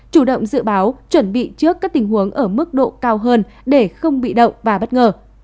chủ động dự báo chuẩn bị trước các tình huống ở mức độ cao hơn để không bị động và bất ngờ